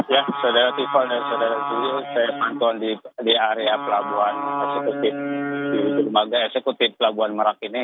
ya saudara tiffan dan saudara dulu saya pantauan di area pelabuhan eksekutif di dermaga eksekutif pelabuhan merak ini